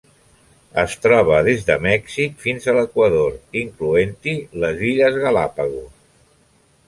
Es troba des de Mèxic fins a l'Equador, incloent-hi les Illes Galápagos.